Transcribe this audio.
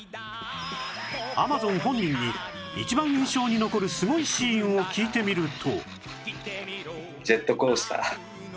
アマゾン本人に一番印象に残るすごいシーンを聞いてみると